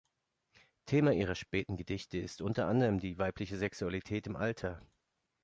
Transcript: Thema ihrer späten Gedichte ist unter anderem die weibliche Sexualität im Alter.